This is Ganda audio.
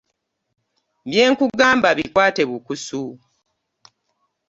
Bye nkugamba bikwate bukusu.